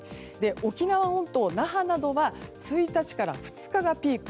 沖縄本島、那覇などは１日から２日がピーク。